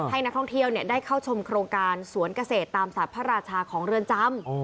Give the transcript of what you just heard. ให้นักท่องเที่ยวได้เข้าชมโครงการสวนเกษตรตามศาสตร์พระราชาของเรือนจำ